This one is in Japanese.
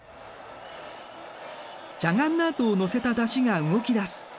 ジャガンナートを乗せた山車が動きだす。